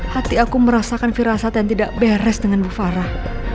hati aku merasakan firasat yang tidak beres dengan bu farah